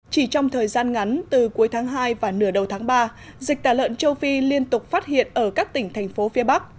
chỉ trong thời gian ngắn từ cuối tháng hai và nửa đầu tháng ba dịch tà lợn châu phi liên tục phát hiện ở các tỉnh thành phố phía bắc